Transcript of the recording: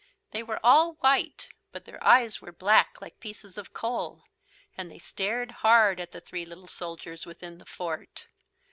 They were all white, but their eyes were black like pieces of coal, and they stared hard at the three little soldiers within the fort.